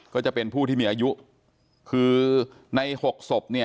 ก็จะเป็นผู้ที่มีอายุคือในหกศพเนี่ย